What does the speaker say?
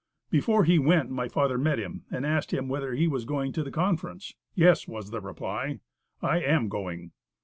Before he went my father met him, and asked him whether he was going to the conference. "Yes," was the reply, "I am going."